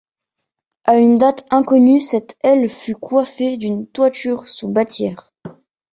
À une date inconnue, cette aile fut coiffée d’une toiture sous bâtière.